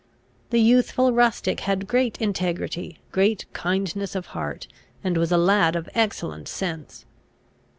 The youthful rustic had great integrity, great kindness of heart, and was a lad of excellent sense.